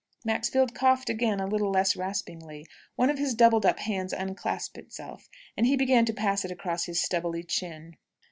Maxfield coughed again, a little less raspingly. One of his doubled up hands unclasped itself, and he began to pass it across his stubbly chin.